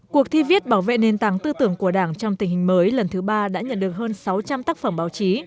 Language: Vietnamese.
cuộc thi viết bảo vệ nền tảng tư tưởng của đảng trong tình hình mới lần thứ ba đã nhận được hơn sáu trăm linh tác phẩm báo chí